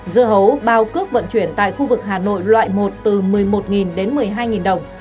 dưa hấu bao cước vận chuyển tại khu vực hà nội loại một từ một mươi một đến một mươi hai đồng